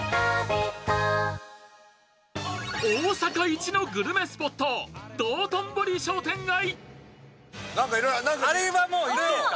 大阪イチのグルメスポット、道頓堀商店街。